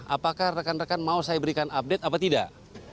apakah rekan rekan mau saya berikan update atau tidak